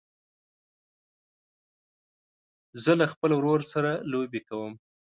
زه له خپل ورور سره لوبې کوم.